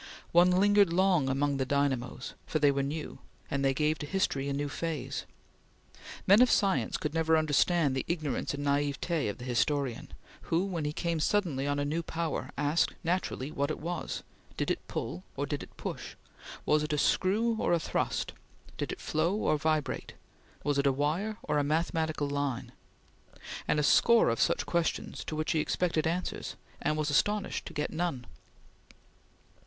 One lingered long among the dynamos, for they were new, and they gave to history a new phase. Men of science could never understand the ignorance and naivete; of the historian, who, when he came suddenly on a new power, asked naturally what it was; did it pull or did it push? Was it a screw or thrust? Did it flow or vibrate? Was it a wire or a mathematical line? And a score of such questions to which he expected answers and was astonished to get none.